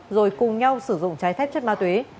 rồi cùng nhau sử dụng trái phép chất ma túy